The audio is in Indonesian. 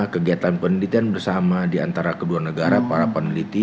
kegiatan penelitian bersama di antara kedua negara para peneliti